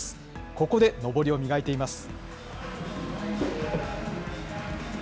ここで登りを磨いています。